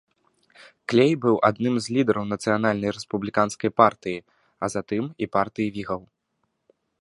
Клей быў адным з лідараў нацыянальнай рэспубліканскай партыі, а затым і партыі вігаў.